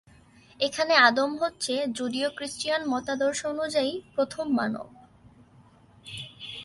এখানে আদম হচ্ছে জুডিও-ক্রিশ্চিয়ান মতাদর্শ অনুযায়ী প্রথম মানব।